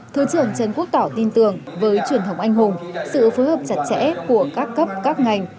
thứ trưởng trần quốc tỏ tin tưởng với truyền thống anh hùng sự phối hợp chặt chẽ của các cấp các ngành